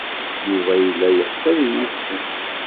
Yuba yella yeɣs ad iyi-yessen.